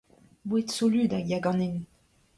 Boued solut a ya ganin.